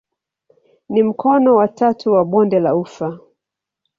Ni mkono wa tatu wa bonde la ufa.